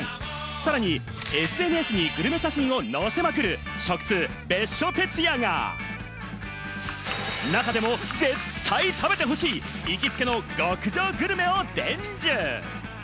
さらにＳＮＳにグルメ写真を載せまくる食通・別所哲也が中でも絶対食べてほしい行きつけの極上グルメを伝授！